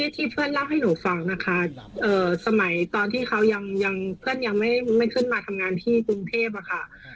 ที่เพื่อนเล่าให้หนูฟังนะคะสมัยตอนที่เขายังเพื่อนยังไม่ขึ้นมาทำงานที่กรุงเทพค่ะ